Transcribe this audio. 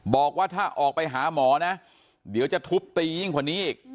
บอกว่าถ้าออกไปหาหมอนะเดี๋ยวจะทุบตียิ่งกว่านี้อีก